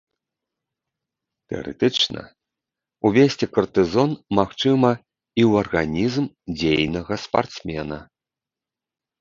Тэарэтычна увесці картызон магчыма і ў арганізм дзейнага спартсмена.